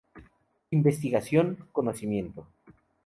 Investigación —conocimiento.